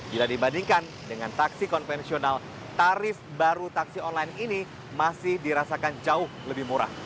bila dibandingkan dengan taksi konvensional tarif baru taksi online ini masih dirasakan jauh lebih murah